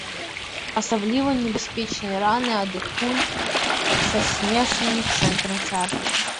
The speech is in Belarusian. Асабліва небяспечныя раны ад і куль са змешчаным цэнтрам цяжару.